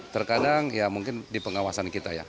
terkadang ya mungkin di pengawasan kita ya